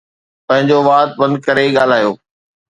پنهنجو وات بند ڪري ڳالهايو.